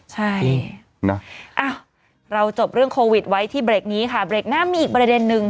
ใช่นะเราจบเรื่องโควิดไว้ที่เบรกนี้ค่ะเบรกหน้ามีอีกประเด็นนึง